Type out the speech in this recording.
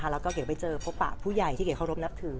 แล้วก็เกร็งไปเจอพ่อป่าผู้ใหญ่ที่เกร็งเคารพนับถือ